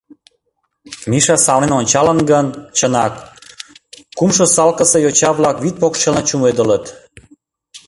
Миша савырнен ончалын гын, чынак, кумшо салкысе йоча-влак вӱд покшелне чумедылыт.